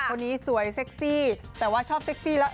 คนนี้สวยเซ็กซี่แต่ว่าชอบเซ็กซี่แล้ว